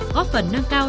góp phần nâng cao